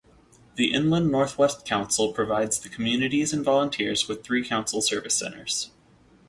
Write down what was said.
The Inland Northwest Council provides the communities and volunteers with three council service centers.